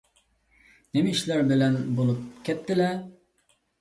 نېمە ئىشلار بىلەن بولۇپ كەتتىلە؟